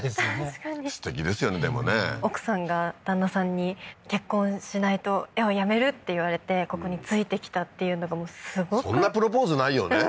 確かにすてきですよねでもね奥さんが旦那さんに結婚しないと絵をやめるって言われてここについてきたっていうのがすごくそんなプロポーズないよね